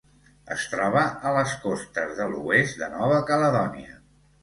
Es troba a les costes de l'oest de Nova Caledònia.